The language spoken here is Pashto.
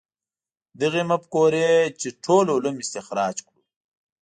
دغې مفکورې چې ټول علوم استخراج کړو.